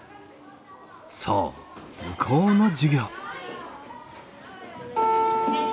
そう図工の授業。